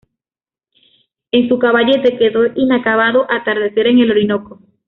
En su caballete quedó inacabado ""Atardecer en el Orinoco"".